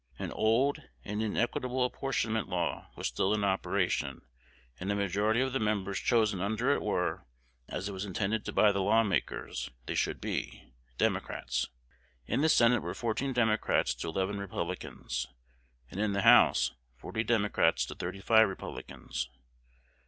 An old and inequitable apportionment law was still in operation; and a majority of the members chosen under it were, as it was intended by the law makers they should be, Democrats. In the Senate were fourteen Democrats to eleven Republicans; and in the House, forty Democrats to thirty five Republicans.